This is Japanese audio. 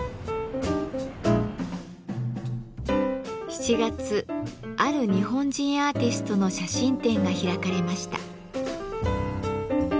７月ある日本人アーティストの写真展が開かれました。